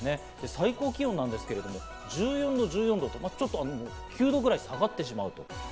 最高気温ですけど、１４度・１４度と９度くらい下がってしまう。